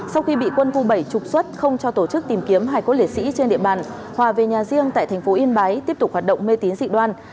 sau khi bị quân khu bảy trục xuất không cho tổ chức tìm kiếm hải cốt lễ sĩ trên địa bàn hòa về nhà riêng tại thành phố yên bái tiếp tục hoạt động mê tín dị đoan